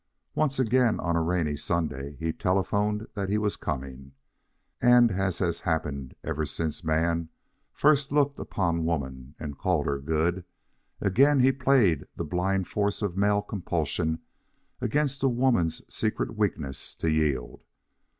Once again, on a rainy Sunday, he telephoned that he was coming. And, as has happened ever since man first looked upon woman and called her good, again he played the blind force of male compulsion against the woman's secret weakness to yield.